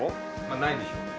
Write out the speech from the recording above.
ないでしょうね。